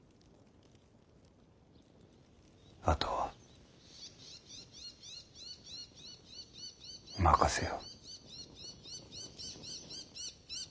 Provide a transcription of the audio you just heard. あとは任せよ。